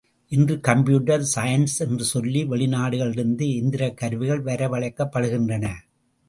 இன்று computer science என்று சொல்லி வெளிநாடுகளிலிருந்து எந்திரக் கருவிகள் வரவழைக்கப்படுகின்றன.